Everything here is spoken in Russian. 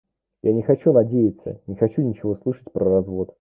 Я не хочу надеяться, не хочу ничего слышать про развод.